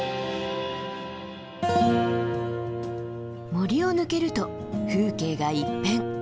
森を抜けると風景が一変。